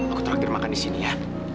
aku terakhir makan di sini ya